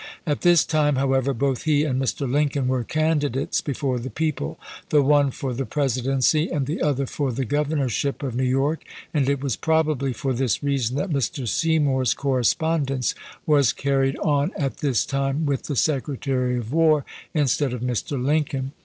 At this time, however, both he and Mr. Lincoln were candidates before the people, the one for the Presidency and the other for the governor ship of New York, and it was probably for this reason that Mr. Seymour's correspondence was carried on, at this time, with the Secretary of War instead of Mr. Lincoln.